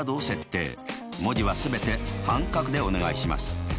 文字は全て半角でお願いします。